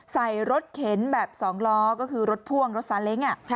ใส่รถเข็นแบบ๒ล้อก็คือรถพ่วงรถซาเล้ง